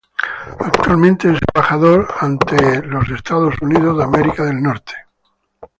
Actualmente es embajador ante los Estados Unidos.